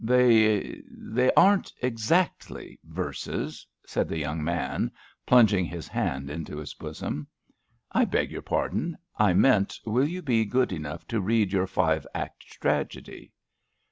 They— they aren't exactly verses, said the young man, plunging his hand mto his bosom. I beg your pardon, I meant will you be good enough to read your five act tragedy.